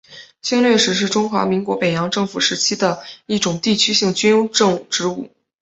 经略使是中华民国北洋政府时期的一种地区性军政职务。